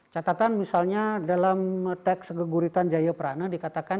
catatan misalnya dalam teks geguritan jayaprana dikatakan